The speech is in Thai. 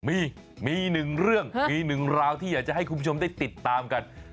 มีมีหนึ่งเรื่องมีหนึ่งราวที่อยากจะให้คุณผู้ชมได้ติดตามกัน